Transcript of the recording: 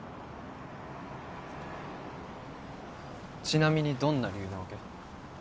ちなみにどんな理由なわけ？